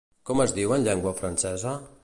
Com es diu en llengua francesa?